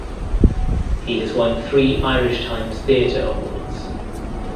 He has won three Irish Times Theatre awards.